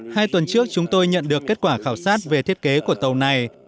hai tuần trước chúng tôi nhận được kết quả khảo sát về thiết kế của tàu này